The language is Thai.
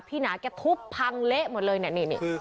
หนาแกทุบพังเละหมดเลยเนี่ยนี่